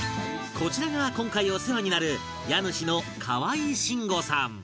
こちらが、今回お世話になる家主の川合真吾さん